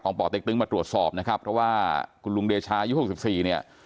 ป่อเต็กตึงมาตรวจสอบนะครับเพราะว่าคุณลุงเดชายุหกสิบสี่เนี่ย